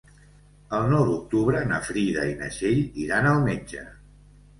El nou d'octubre na Frida i na Txell iran al metge.